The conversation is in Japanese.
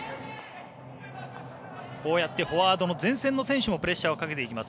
こうやってフォワードの前線の選手もプレッシャーをかけていきます。